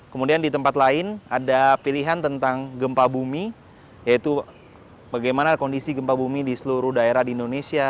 kemudian di tempat lain ada pilihan tentang gempa bumi yaitu bagaimana kondisi gempa bumi di seluruh daerah di indonesia